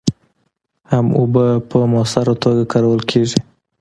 هم اوبه په مؤثره توکه کارول کېږي.